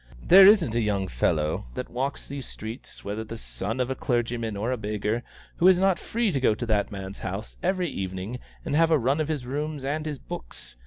There isn't a young fellow that walks these streets, whether the son of clergyman or beggar, who is not free to go to that man's house every evening and have the run of his rooms and his books.